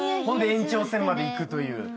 ほんで延長戦までいくという。